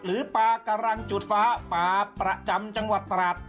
หรือปลากำลังจุดฟ้าปลาประจำจังหวัดตราด